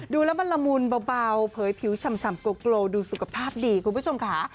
ดูแล้วมันละมุนเบาเผยผิวฉ่ำกลัวดูสุขภาพดีคุณผู้ชมค่ะ